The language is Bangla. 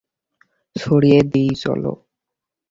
ছড়িয়ে দিই চলো।